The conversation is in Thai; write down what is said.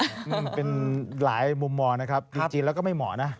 มีเป็นหลายมุมมองจื้อจริงแล้วไม่เหมาะนะ